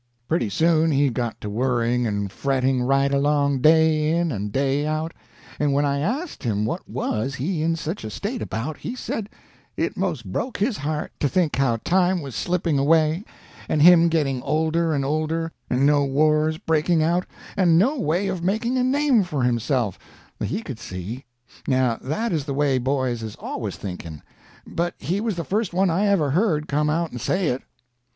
Pretty soon he got to worrying and fretting right along day in and day out, and when I asked him what was he in such a state about, he said it 'most broke his heart to think how time was slipping away, and him getting older and older, and no wars breaking out and no way of making a name for himself that he could see. Now that is the way boys is always thinking, but he was the first one I ever heard come out and say it.